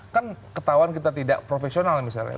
kan ketahuan kita tidak profesional misalnya